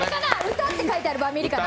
歌って書いてるバミリかな。